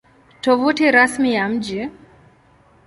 Tovuti Rasmi ya Mji